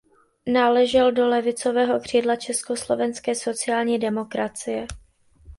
Náležel do levicového křídla Československé sociální demokracie.